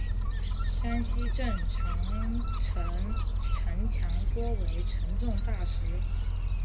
山西镇长城城墙多为沉重大石。